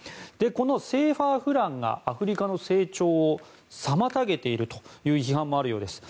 このＣＦＡフランがアフリカの成長を妨げているという批判もあるようです。